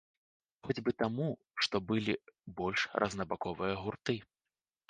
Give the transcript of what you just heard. Хоць бы таму, што былі больш рознабаковыя гурты.